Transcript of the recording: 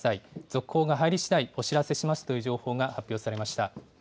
続報が入りしだいお知らせしますという情報が発表されました。